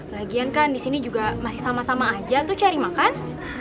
lagian kan di sini juga masih sama sama aja tuh cari makan